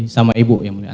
sama ibu yang mulia